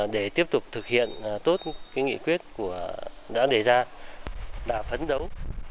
để tiếp tục thực hiện tốt nghị quyết đã đề ra là phấn đấu